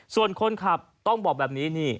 ส่วนคนขับต้องบอกแบบนี้นี่